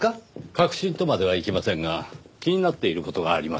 確信とまではいきませんが気になっている事があります。